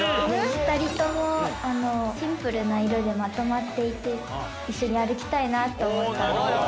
２人ともシンプルな色でまとまっていて一緒に歩きたいなと思ったので。